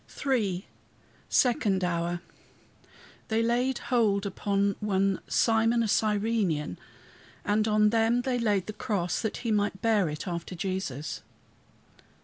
III SECOND HOUR "They laid hold upon one Simon a Cyrenian, and on him they laid the cross, that he might bear it after Jesus."